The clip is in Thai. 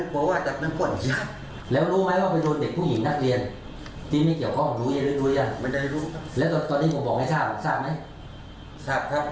ครับครับเด็กเสียรู้หรือยังเสียชีวิต